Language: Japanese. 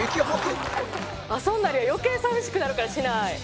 遊んだりは余計寂しくなるからしない。